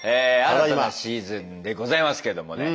新たなシーズンでございますけどもね。